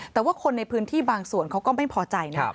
แต่ว่าคนในพื้นที่บางส่วนเขาก็ไม่พอใจนะ